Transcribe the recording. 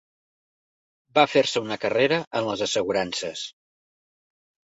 Va fer-se una carrera en les assegurances.